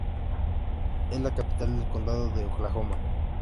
Es la capital del condado de Oklahoma.